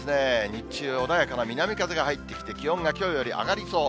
日中、穏やかな南風が入ってきて、気温がきょうより上がりそう。